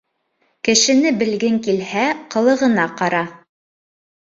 Кешене белгең килһә, ҡылығына ҡара